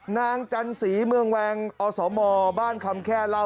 จันศรีเมืองแวงอสมบ้านคำแค่เล่า